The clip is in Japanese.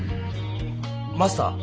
マスター。